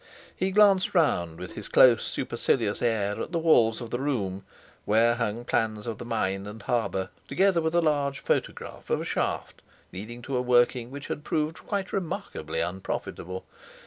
He glanced round with his close, supercilious air at the walls of the room, where hung plans of the mine and harbour, together with a large photograph of a shaft leading to a working which had proved quite remarkably unprofitable.